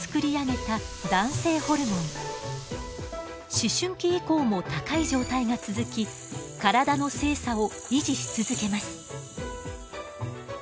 思春期以降も高い状態が続き体の性差を維持し続けます。